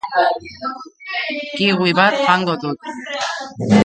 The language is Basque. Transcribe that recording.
Kiwi bat jango dut.